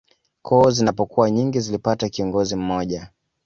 Koo zinapokuwa nyingi zilipata kiongozi mmoja